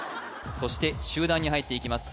そして中段に入っていきます